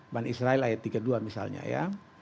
ban israel ayat tiga puluh dua misalnya ya